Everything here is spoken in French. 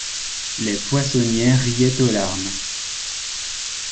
Les poissonnières riaient aux larmes.